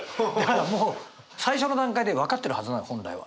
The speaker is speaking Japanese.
もう最初の段階で分かってるはずなの本来は。